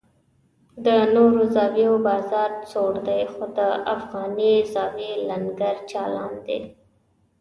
د نورو زاویو بازار سوړ دی خو د افغاني زاویې لنګر چالان دی.